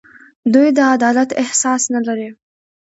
دوی د عدالت احساس نه لري.